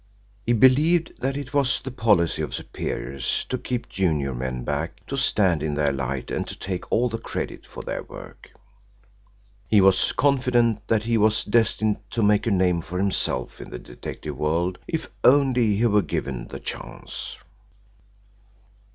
He believed that it was the policy of superiors to keep junior men back, to stand in their light, and to take all the credit for their work. He was confident that he was destined to make a name for himself in the detective world if only he were given the chance.